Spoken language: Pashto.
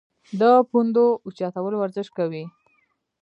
د پوندو اوچتولو ورزش کوی -